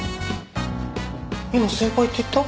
今「先輩」って言った？